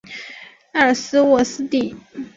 埃尔斯沃思地。